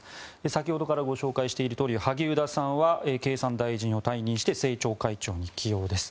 先ほどからご紹介しているとおり萩生田さんは経産大臣を退任して政調会長に起用です。